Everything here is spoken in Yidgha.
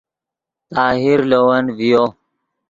طاہر لے ون ڤیو